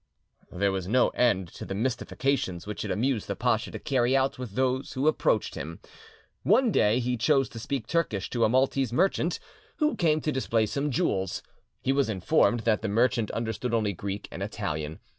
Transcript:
There was no end to the mystifications which it amused the pacha to carry out with those who approached him. One day he chose to speak Turkish to a Maltese merchant who came to display some jewels. He was informed that the merchant understood only Greek and Italian.